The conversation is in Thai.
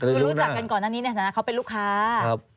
คือรู้จักกันก่อนอันนี้ในฐานะเขาเป็นลูกค้า